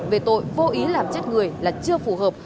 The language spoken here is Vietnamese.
về tội vô ý làm chết người là chưa phù hợp